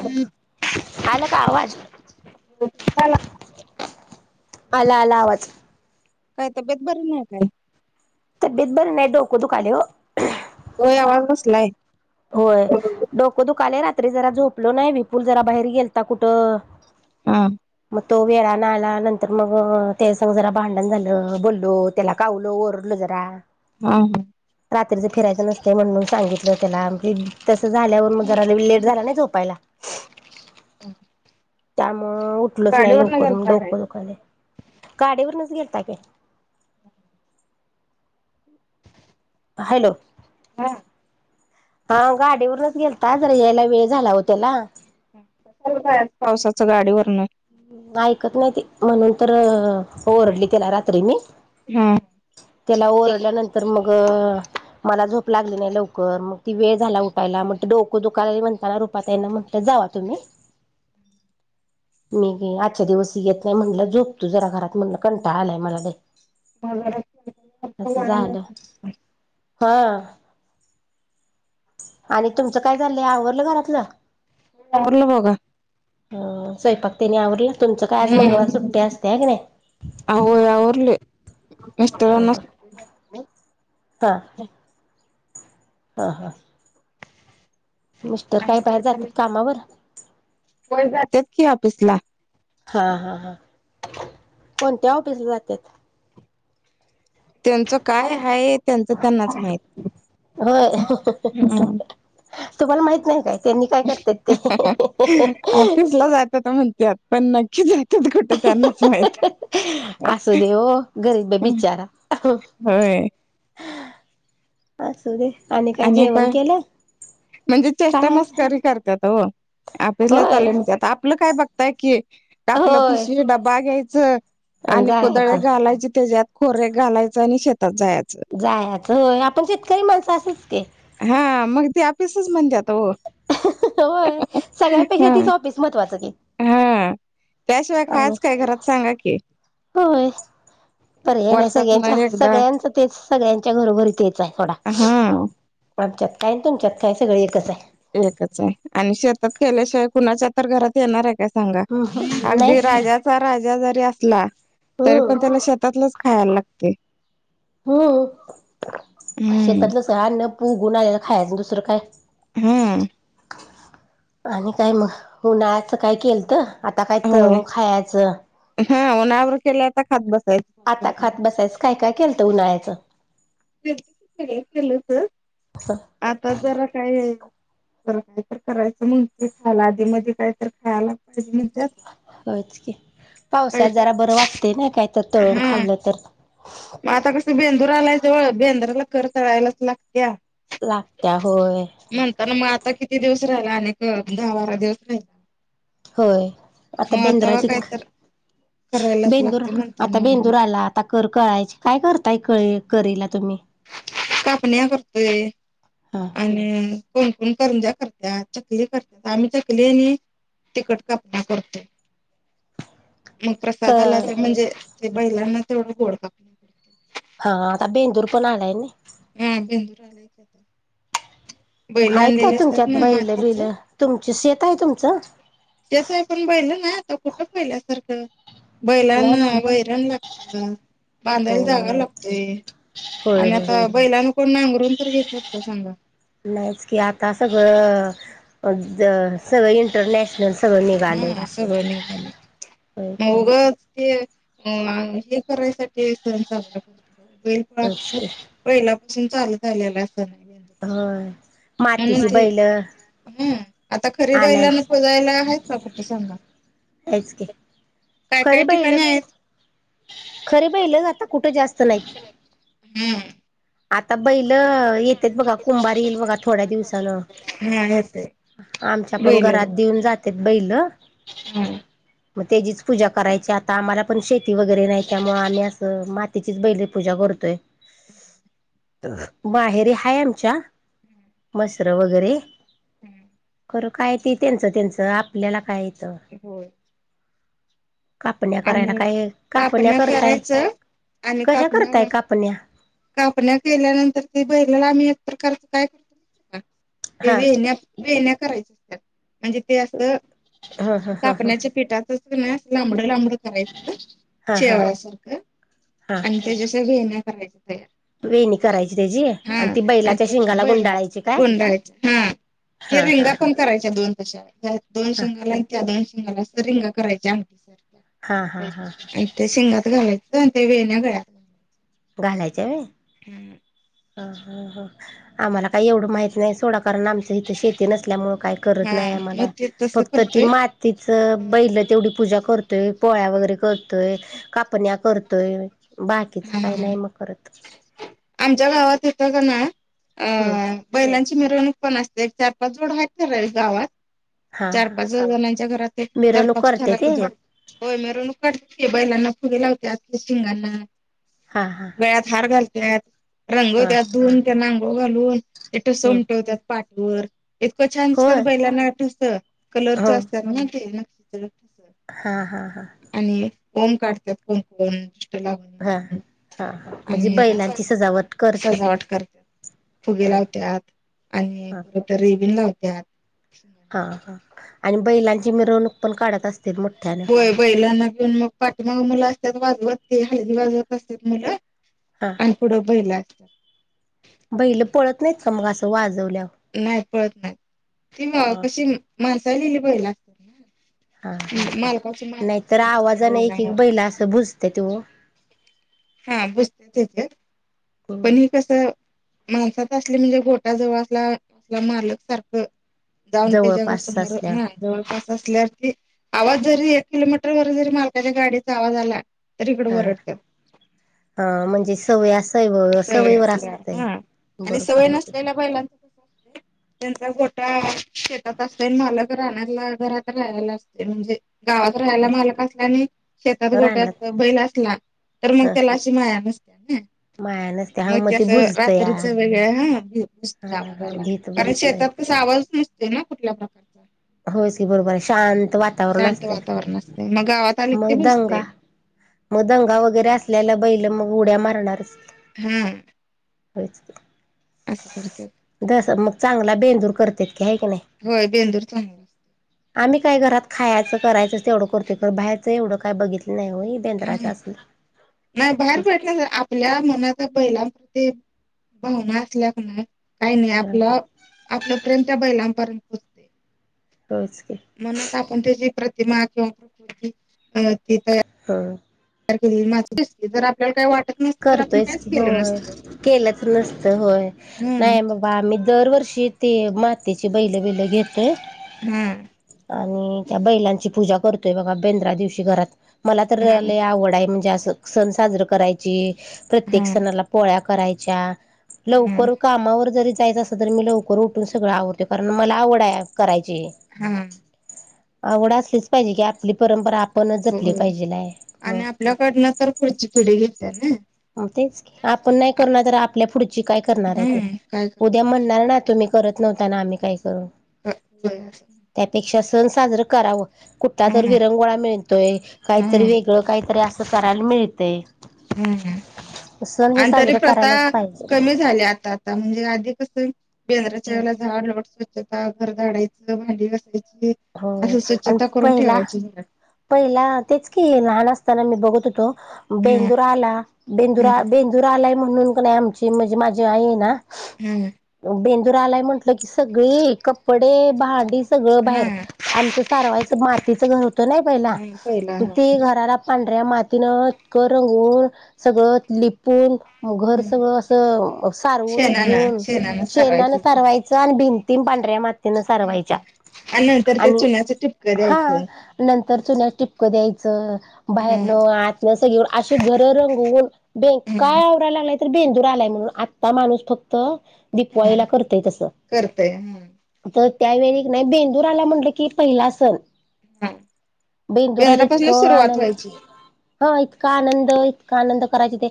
हम आला का आवाज काय आला आला आवाज काय तब्येत बरी नाही काय तब्येत बरी नाही डोक दुकाले ओ होय आवाज कसलाय होय डोक दुखाले रात्री जरा झोपलो नाही विपुल जरा बाहेर गेलता कुठं हा मग तो वेळा न आला नंतर मग त्याज सगं जरा भांडण झालं बोललो त्याला कावलो ओरलो जरा हा हा रात्रीच फिरायचं नसते म्हणून सांगितलं त्याला तस झाल्यावर मग जरा लेट झाला ने झोपायला मग उठलोच नाही गाडीवर न लवकर म गेलता काय डोकं दु़खाले गाडीवरनच गेलता कि हॅलो हा हा गाडीवरनच गेलता जरा यायला वेळ झाला हो त्याला पावसाचं गाडीवरण ऐकत नाही ते म्हणून तर ओरडली तेला रात्री मी हा त्याला ओरडल्यानंतर मग मला झोप लागली नाही लवकर मग ती वेळ झाला उठायला म्हटल डोक दुकाला म्हणताना रुपाताई ना म्हटल जावा तुम्ही ह [inaudible] मीे आजच्या दिवस येत नाही म्हणलं झोपतू जरा घरात म्हणलं कंटाळआलाय मला ले अस झालं हा आणि तुमचं काय झालंय आवरलं घरातलं रला पग ह स्वयंपाक त्यानी आवरला तुमचं काय आज मंगळवार सुट्टी असते ह्या की नाय मिस्टराना हा हा हा मिस्टर काय बाहेर जात्यात कामावर व्हय जात्यात की ऑफिस ला हा हा हा कोणत्या ऑफिसला जात्यात त्यांचं काय आहे त्यांचं त्यांनाच माहित होय तुम्हाला माहित नाही काय त्यांनी काय करत्यात ते त्यात पण नक्की जात्यात कुठं त्यांनाच माहित असू दे ओ गरीब हाय बिचारा होय असू दे काही आणि जेवण काय केलं म्हणजे चेष्टा काय मस्करी करत्यात हो आपिसला होय चालोय म्हणत्यात आपलं काय बघताय की आपलं होय पिशवी डबा घ्याय च आणि कोदळ घालायची तेच्यात खोर्या घालायचं आणि शेतात जायचं होष आपण शेतकरी माणसं असेच कि हा मग ते आपिसच म्हणजात ओ. हाह हाह होय सगळ्यांपेक्षा तीच ऑफीस महत्त्वाचं की हा त्याशिवाय आणि खायच काय घरात सांगा की? होय. पर हे नाही वर्षात ना सगळ्यांच्या एकदा सगळ्यांच तेच सगळ्यांच्या घरोघरी तेच आहे. सोडा ह आमच्यात काय तुमच्यात सगळ एकच आहे. एकच आहे आणि शेतात केल्याशिवाय कुणाच्या तर घरात येणार आहे का? सांगा हम्म अगदी नाहीच की राजाचा राजा ज तरी हम्म पण त्याला शेतातलच खायला लागतंय हो, हम्म शेतातल्यास उगवून आलेला अन्न खायचा आणि दुसरं काय - हा आणि काय मग उन्हाळ्याचं काय केल तर आता काय होय तळून खायाच हा उन्हावर केलाय आता खात बस. आता खात बसायचं काय काय केलतं उन्हाळ्याचं? के केलंच आता जरा काय तर काही तर करायचं म्हणते खायला आधी मध्ये काय तर खायला पाहिजे म्हण. होच की पावसाात जरा बरं वाटत एना काही तर तळून हा खाल्लं तर मग आता कसं बेंदूर आलायचं बेंद्राला कर करायलाच लागते्या लागत होय. मग आता किती दिवस राहिला अनेक दहा बारा दिवस राहिला. होय आता मग तवा बेंद्राचीच. काय तर करायलाच बेंदूर लागते आता म्हणताना बेंदूर आला आता कर कळायचे काय करताय क करीला? तुम्ही कापण्या करतोय हा आणि कोण पण करंजा करत्यात, चकली करत आम्ही चकली ही तिकट कापना करतो. मग प्रसादाला तर म्हणजे ते बैलांना तेवढं गोड काप हा आता बेंदूर पण आलाय नि हा बेन हायत का तुमच्यात बैलबिल तुमची शेत आहे तुमचं? त्यात आपण बैल नाय आता कुठं पहिल्यासारखं नाही बैलाना वैरण लागते. बांधायला जागा हो लागतोय. होय आणि होय आता बैलान कोण नांगरून तर घेतात का सांगा? की आता सगळं अज सगळळे इंटरनॅशनल सगळ निघाले. हा सगळं निघालय मग उगच ते अ हे करायसाठी सण साजरा करतात. बैलपोळा कस की पहिलापासून चालू झालेला अस होय मातीची बैल हम्म आता ती बाईला आणायची नको जायला आहेत का कुठ सांगा? आहेच की काय काय ठिकाणी आहेत. खरे बाई लग आता कुठं जास्त नाही. हम्म आता बैल ययेत्यात बघा कुंभार येईल बघा थोड्या दिवसान हा येते आमच्या पण बैल घरात देऊन जातेत बैल. मग त्याचीच पूजा करायची आता आम्हाला पण शेती वगैरे नाही त्यामुळे आम्ही असं मातीचीच बैले पूजा करू [unintelligible] हम् बाहेरी हाय आमच्या मसर वगैरे हम्म करू काय ते त्यांचं त्यांचं आपल्याला काय? येतं हो. कापण्या करायला आणि काय कापण्या करताय करायचं आणि कशा करताय कापण्या कापण्या कापल्या केल्यानंतर ते बैलाला आम्ही एक प्रकारच काय करतो [inaudible] ते हा वेण्या वेण्या करायच्या असतात म्हणजे ते असं कापण्याच्या पिठातं [unintelligible] लांबड, लांबड करायच हा हा शेवया सारखं हा आणि त्याच्यास वेण्या करायच्या. तयार वेणी करायची त्याची आणि ती हा बैलाच्या शिंगाला बैला गुंडाळायची काय? गुंडाळायचं हा ते हा रिंगा पण करायच्या दोन तशा. दोन हा शिंगाला आणि त्या दोन शिंगाला रिंग करायच्या. हा हा हा ते शिंगात घालायच्या वेण्या गळ्यात. घालायच्या होय. हम्म ह हा हा आम्हाला काही एवढं माहित नाही सोडा कारण आमचं इथं शेती नसल्यामुळे का करत हा नाही मग आमला ते तसं फक्त ती करतोय मातीचे बैल तेवढी पूजा करतो. तो पोळ्या वगैरे करतोय कापण्या करतोय बाकीचं हा काही नाही मग करतं. आमच्या गावा इथं का ना अ हम्म बैलां मिरणूक पण असते चार पाच जोड आहेत ठराविक गावात हा चार पाच जणांच्या घरात चार मिरवणूक पाच करते ठराविक ते जोडत होय मिरवणूक काढतिला. बैलांना फुगे लावतात शिंगांना हा हा गळ्यात हार घालतात. हा रंगवते धुून त्या अंघोळ घालून ते हम्म समटवत्या पाठीवर. इतकं छान होय दिसतात बैलांना आठस हो कलरचं असतात माती. हा हा हा. होम काढतात कोण कोण दृष्ट लागून हा हा म्हणून हा म्हणजे आणि बैलांची सजावट करतात सजावट करत फुगे हा लावतत आणि हा रेबिन लावत. [unintelligible] हा हा आणि बैलांची मिरवणूक पण काढतं अस होय बैलांना घेऊन मग पाठीमाग मुलं असतात वाजवत ते हलगी वाजवत असतात मुलं. हा आणि पुढे बैल असत बैल पळत नाहीत का मग असं वाजवल्यावर. नाही पळत नाही ती हा कशी माणसा लिली बैल असतात हा ना हा मलकाच नाहीतर आवाजाने एक मा एक [inaudible] बैला असं भुजते ते ओ हा बसते तिथं हम्म पण हे कसं. माणसात असली म्हणजे घोटाजवळ असला असला मालक सारखं. जाऊन ते जवळपास जगासमोर मन असल्यावर जवळपास असल्या आवाज जरी एक किलोमीटर वर जरी मालकाच्या गाडीचा आवाज आला. तरी इकडे हा ओरडत्यात. हा म्हणजे सवय सैव सवय सवयीवर असल्यावर असते. हा आणि सवय नसलेल्या बैलांच कस असते त्यांचा गोटा शेतात असते मालक राहण्याला घरात राहायला असते म्हणजे गावात राहायला मालक असला आणि शेतात गोट्या रानात बैल असला तर मग हा त्याला अशी माया [unintelligible] माया नसते हा मग ते बुजत या रात्रीचं हा वेगळ ह नसते हा आवाजाला भीत कारण बसतय शेतात आवाज नसते ना कुठल्या प्रकारचा होयचं की बरोबर आहे शांत वातावरण शांत असते वातावरण असते मग गावात आले की ते मग भुजते दंगा मग दंगा वगैरे असल्याला बैल मग उड्या मारणारचं. हम्म. वच जस मग चांगला बेंदूर करतेत की आहे की नाही. होय बेंदूर चांगला असतो आम्ही काय घरात खायचं करायच तेवढं करतोय कर बाहेरचं एवढं काय बघितलं. नाही होय हा बेंद्राचं असलं नाही बाहेर पडल्या आपल्या मनात बैलां ते भावना असल्यानं काही नाही हा आपलं आपलं. प्रेम त्या बैलांपर्यंत पोहचतंय होयच की म्हणून आपण त्याची प्रत ते मा किंवा प्रकृती अ ते तयार ह जर आपल्याला काय वाट करतोयच की होय केलंच नसत होय हम्म नाही बाबा आम्ही दरवर्षी ते मातेची बैल बील घेतोय. हम्म. आणि त्या बैलांची पूजा करतोय बघा बेंदरा दिवशी घरात मला तर लई हम्म आवड आहे म्हणजे सण साजरा करायची प्रत्येक हम्म सणाला पोळ्या करायच्या. हम्म लवकर कामावर जरी जायचं असंल तर मी लवकर उठून सगळं आवरतोय कारण मला आवड आहे कराय ची हा आवड असलीच पाहिजे की आपली परंपरा आप होय आणि आपल्याकडनं तर पुढची पिढी घेत्या ना. हो तेच की आपण नाही करणार तर आपल्या पुढ ची काय करणार आहे ते हम्म काय उद्या करणार म्हणणार ना तुम्ही करत नव्हता ना आम्ही काय करू? ह हो. त्यापेक्षा सण साजरं करावं कुठला तर हम्म विरंगुळा मिळतोय काहीतरी हम्म वेगळं काहीतरी अस. ल करायला मिळतंय. हम्म सण हे आणि तरी साजरं प्रथा करायलाच पाहिजे कमी झाली आता आता म्हणजे अधिक कसं बेंदराच्या वेळेला झाड लोट स्वच्छता घर झाडायचं भांडी घासायचं. हो आणि पहिला, घरात. पहिला तेच की लहान असताना मी - - बघत होतो. हम्म बेंदुर आला बेंदुर आ हम्म बेंदुर आलाय म्हणून कानीयं आमची म्हणजे माझी आई हाय ना - - हम्म. बेंदुर आलाय म्हंटलं की सगळी कपडे, भांडी सगळं हा बाहेर. आमचं सारवायचं मातीचं घर होतं नाही पहिला हम्म पहिला हा ते घराला पांढऱ्या मातीनं कर रंगून सगळं लिपून मग घर सगळं असं सारवून शेणान घेऊन शेणान शेणान सारवायचं सारवायचं आणि भिं ती पांढऱ्या मातीनं माती सारवायच्या आणि नंतर ते आणि चुन्याचं टिपकं हां द्यायचं. नं तर चुन्या टिपकं द्यायचं. हम्म बाहेरन आतन सगळी अशी घर रंगवून बे हम्म काय आवरायला लागलाय. तर बेंदूर आलाय म्हणून, आत्ता माणूस फक्त - - हा दीपवाळीला करतोय तसं, करतय हम्म तर त्यावेळी कनी बें बेंदुर आलायं म्हटलं की पहिला सण. हा बेंदुराला बेंद्रापासूनच इतकं सुरुवात आनंद व्हायची. हां इतका आनंद, इतका आनंद करायच ते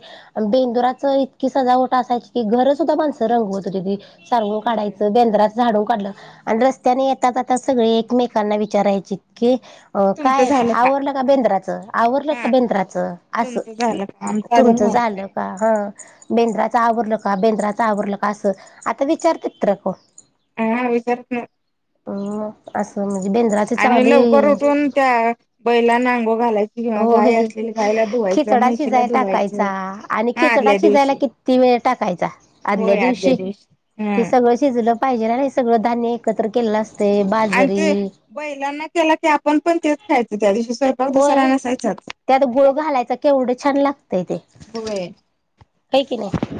बेंदुराच इतकी सजावट असायची की घरच माणस रंगवत होतीती. सारवून होय काढायचं. बेंदराचं झाडून काढलं आणि रस्त्यानं ये ता जाता सगळे एकमेकांना विचारायचीत की - - अ तुमचं काय झालं आवरलं का बेंदराच, आवरलं का हा बेंदराच असं. तुमचं झालं का? आमचं अजून तुमचं झालं व्हायचंय. का? हां. बेंदराच आवरलं का? बेंदराच आवरलं का? असं आता विचारत तर कोन. आहा विचारात नाही. हम्म. अस नई. आणि लवकर उठून त्या बैलाना अंघोळ घालाय होय. खिचडा म्हैशीला शिजाय टाकायचा धुवायचं आणि हा खिचडा आदल्या शिजायला दिवशी किती वे ळ टाकायचा. आदल्या दिवशी ते सगळं शिजलं पाहिजे ना. हे सगळं धान्य एकत्र केलेलं असं आणि ते बैलांना केला की आपण पण तेच खायचं त्या दिवशी स्वय पाक होय दुसरा नसायचाच. त्यात गुळ घालायचा केवढं होय. हाय की नाही.